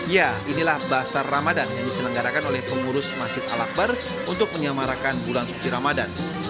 ya inilah basar ramadan yang diselenggarakan oleh pengurus masjid al akbar untuk menyamarakan bulan suci ramadan